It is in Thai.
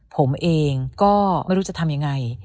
ผมเองก็ไม่รู้จะทำยังไง